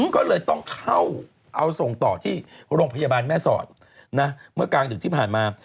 ก็เลยต้องเข้าเอาส่งต่อที่โรงพยาบาลแม่สอดนะเมื่อกลางดึกที่ผ่านมา